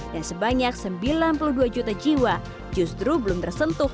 dan sebanyak sembilan puluh dua juta jiwa justru belum tersentuh